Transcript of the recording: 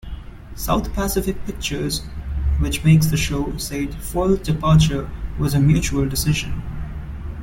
South Pacific Pictures, which makes the show, said Foell's departure was a "mutual decision".